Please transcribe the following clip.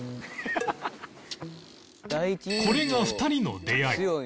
これが２人の出会い。